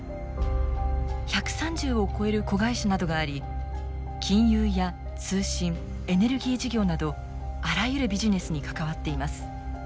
１３０を超える子会社などがあり金融や通信エネルギー事業などあらゆるビジネスに関わっています。